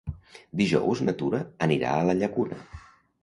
Dijous na Tura anirà a la Llacuna.